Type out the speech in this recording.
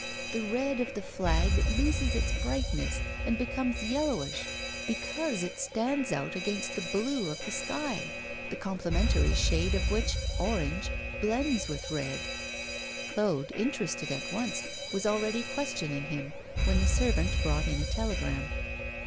'The red of the flag loses its brightness and becomes yellowish because it stands out against the blue of the sky, the complementary shade of which orange blends with red ' Claude, interested at once, was already questioning him when the servant brought in a telegram.